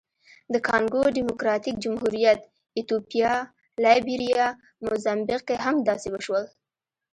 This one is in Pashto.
د کانګو ډیموکراتیک جمهوریت، ایتوپیا، لایبیریا، موزمبیق کې هم داسې وشول.